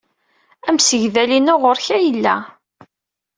Amsegdal-inu ɣer-k ay yella.